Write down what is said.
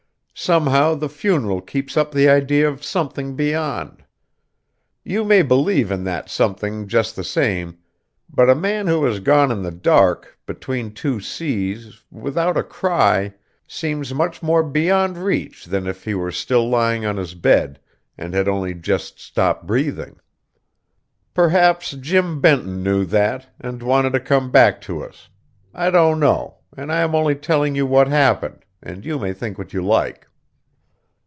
Somehow the funeral keeps up the idea of something beyond. You may believe in that something just the same; but a man who has gone in the dark, between two seas, without a cry, seems much more beyond reach than if he were still lying on his bed, and had only just stopped breathing. Perhaps Jim Benton knew that, and wanted to come back to us. I don't know, and I am only telling you what happened, and you may think what you like.